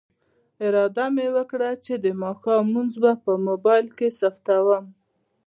اراده مې وکړه چې د ماښام لمونځ به په موبایل کې ثبتوم.